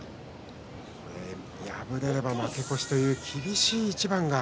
敗れれば負け越しです厳しい一番。